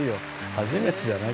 初めてじゃない？